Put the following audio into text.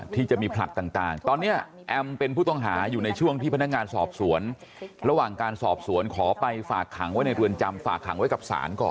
ที่จะมีผลัดต่างตอนนี้แอมเป็นผู้ต้องหาอยู่ในช่วงที่พนักงานสอบสวนระหว่างการสอบสวนขอไปฝากขังไว้ในเรือนจำฝากขังไว้กับศาลก่อน